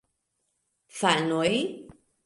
Fanoj!